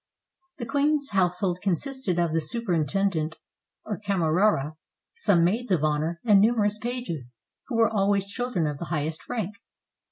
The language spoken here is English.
The queen's household consisted of the superintend ent, or camerara, some maids of honor, and numerous pages, who were always children of the highest rank.